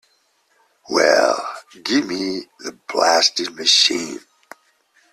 Well, give me the blasted machine.